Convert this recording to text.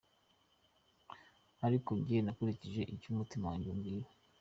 Ariko njye nakurikije icyo umutima wanjye umbwira.